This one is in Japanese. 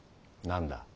何だ？